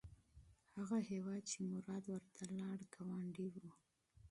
هغه هیواد چې مراد ورته لاړ، ګاونډی و.